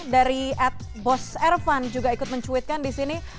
dari atbosservan juga ikut mencuitkan disini